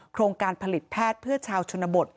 โครงการผลิตแพทย์เพื่อชาวชนบท